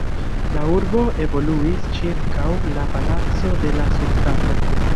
La urbo evoluis ĉirkaŭ la palaco de la sultano.